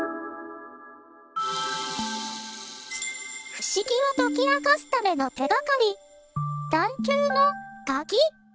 不思議を解き明かすための手がかり